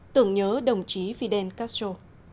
tưởng nhớ đồng chí fidel castro